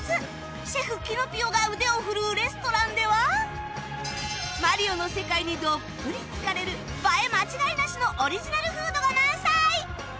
シェフキノピオが腕を振るうレストランでは『マリオ』の世界にどっぷりつかれる映え間違いなしのオリジナルフードが満載！